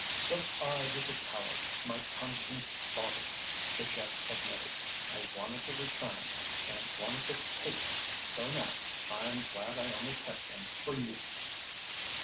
"But I was a coward—my conscience bothered me," the chef admitted. "I wanted to return 'em, I wanted to take 'em. So, now—I'm glad I only kept them for you!"